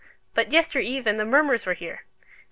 But yester eve and the mummers were here!